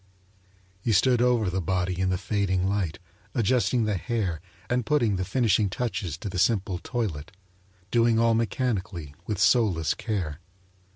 He stood over the body in the fading light, adjusting the hair and putting the finishing touches to the simple toilet, doing all mechanically, with soulless care.